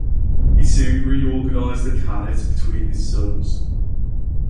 He soon reorganized the khanate between his sons.